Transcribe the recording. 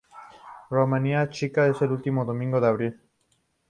Romería chica; Último domingo de abril.